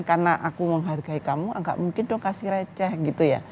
karena aku menghargai kamu enggak mungkin dong kasih receh gitu ya